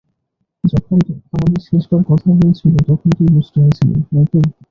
যখন আমাদের শেষবার কথা হয়েছিল তখন তুই বোস্টনে ছিলি, হয়তো?